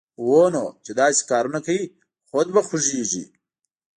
هونو چې داسې کارونه کوی، خود به خوږېږې